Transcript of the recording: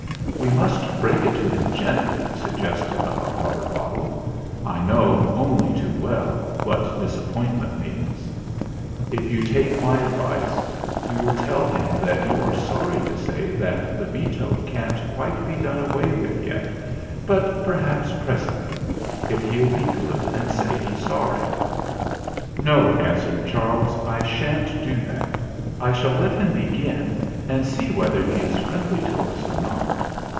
"We must break it to him gently," suggested the hot water bottle. "I know, only too well, what disappointment means. If you take my advice, you will tell him that you are sorry to say that the Veto can't quite be done away with yet, but perhaps presently, if he'll be good and say he's sorry." "No," answered Charles. "I sha'n't do that. I shall let him begin and see whether he is friendly to us or not."